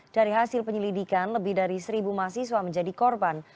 dari hasil penyelidikan lebih dari seribu mahasiswa menjadi korban